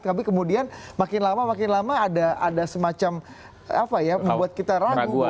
tapi kemudian makin lama makin lama ada semacam apa ya membuat kita ragu